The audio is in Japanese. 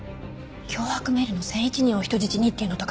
脅迫メールの「１００１人を人質に」っていうのと合致します。